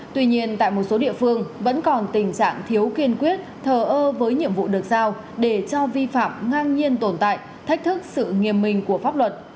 tuy nhiên tại một số địa phương vẫn còn tình trạng thiếu kiên quyết thờ ơ với nhiệm vụ được giao để cho vi phạm ngang nhiên tồn tại thách thức sự nghiêm minh của pháp luật